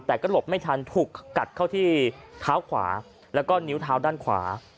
แต่ก็หลบไม่ทันถูกกัดเข้าที่เท้าขวาแล้วก็นิ้วเท้าด้านขวา